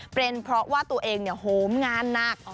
เป็นเพราะว่าตัวเองโหมงานหนัก